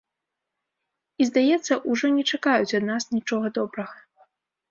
І, здаецца, ужо не чакаюць ад нас нічога добрага.